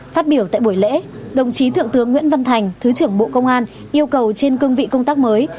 phát biểu tại buổi lễ đồng chí thượng tướng nguyễn văn thành thứ trưởng bộ công an yêu cầu trên cương vị công tác mới